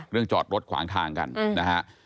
เรื่องจอดรถขวางทางกันนะฮะ